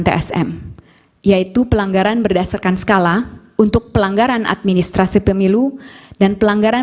tsm yaitu pelanggaran berdasarkan skala untuk pelanggaran administrasi pemilu dan pelanggaran